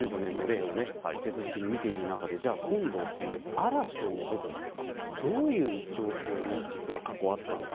今、２０１５年の例を立て続けに見ている中で今度、嵐という部分どういう状況に実は過去あったのか。